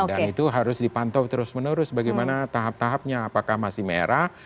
dan itu harus dipantau terus menerus bagaimana tahap tahapnya apakah masih merah